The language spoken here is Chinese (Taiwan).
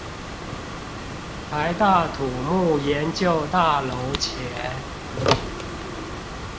臺大土木研究大樓前